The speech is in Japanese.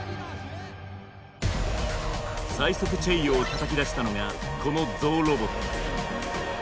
最速チェイヨーをたたき出したのがこのゾウロボット。